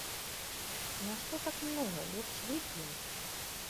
Нашто так многа, лепш вып'ем.